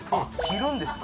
切るんですか？